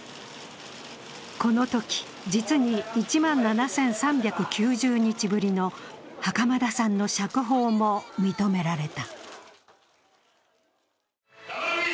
このとき実に１万７３９０日ぶりの袴田さんの釈放も認められた。